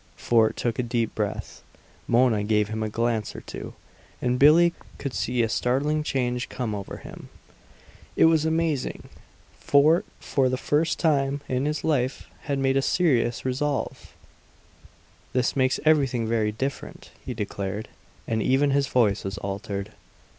Fort took a deep breath. Mona gave him a glance or two, and Billie could see a startling change come over him. It was amazing; Fort, for the first time in his life had made a serious resolve! "This makes everything very different!" he declared; and even his voice was altered.